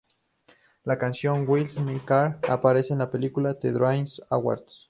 La canción "Wreck My Car" aparece en la película "The Darwin Awards".